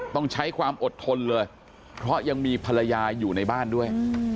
ต้องใช้ความอดทนเลยเพราะยังมีภรรยาอยู่ในบ้านด้วย